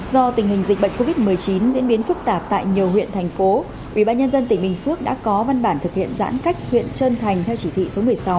do tình hình dịch bệnh covid một mươi chín diễn biến phức tạp tại nhiều huyện thành phố ubnd tỉnh bình phước đã có văn bản thực hiện giãn cách huyện trơn thành theo chỉ thị số một mươi sáu